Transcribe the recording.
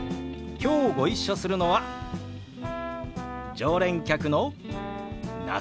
きょうご一緒するのは常連客の那須さんですよ！